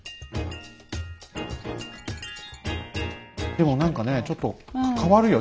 でも何かねちょっと変わるよね